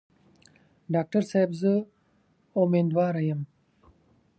ډاکټر صاحب زه امیندواره یم.